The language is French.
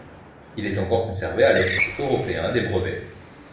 Il est encore conservé à l'Office européen des brevets.